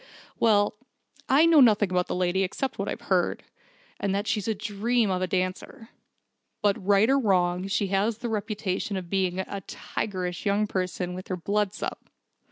"Well, I know nothing about the lady except what I've heard and that she's a dream of a dancer. But right or wrong, she has the reputation of being a tigerish young person when her blood's up.